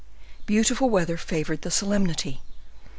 Beautiful weather favored the solemnity.